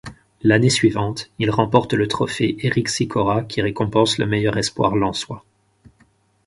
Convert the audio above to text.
L'année suivante, il remporte le trophée Eric Sikora qui récompense le meilleur espoir lensois.